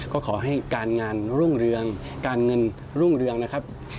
ก็ขอให้การงานรุ่งเรืองการเงินรุ่งเรืองนะครับ